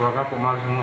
orangnya pemaham semua